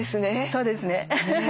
そうですね。